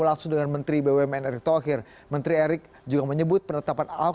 langsung dengan menteri bumn erick thohir menteri erick juga menyebut penetapan ahok